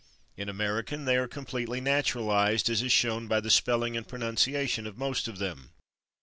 In American they are completely naturalized, as is shown by the spelling and pronunciation of most of them.